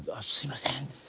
すいません。